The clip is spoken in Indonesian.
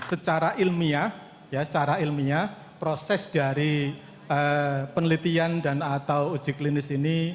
secara ilmiah secara ilmiah proses dari penelitian dan atau uji klinis ini